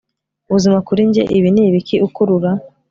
ubuzima kuri njye ibi ni ibiki ukurura